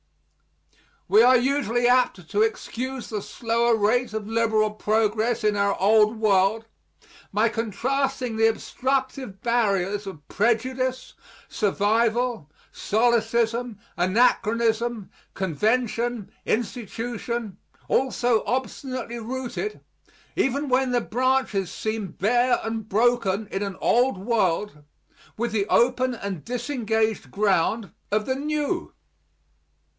We are usually apt to excuse the slower rate of liberal progress in our Old World by contrasting the obstructive barriers of prejudice, survival, solecism, anachronism, convention, institution, all so obstinately rooted, even when the branches seem bare and broken, in an old world, with the open and disengaged ground of the new.